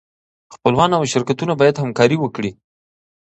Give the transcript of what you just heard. خپلوان او شرکتونه باید همکاري وکړي.